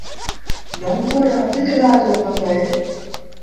نئون ڪوٽ اڌ ڪلآڪ رو پند اهي